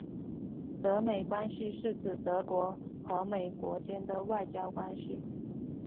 德美关系是指德国和美国间的外交关系。